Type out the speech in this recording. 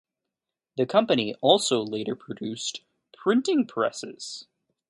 The company also later produced printing presses.